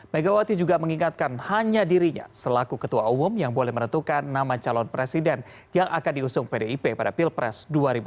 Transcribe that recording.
megawati juga mengingatkan hanya dirinya selaku ketua umum yang boleh menentukan nama calon presiden yang akan diusung pdip pada pilpres dua ribu sembilan belas